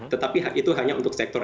tetapi itu hanya untuk sektor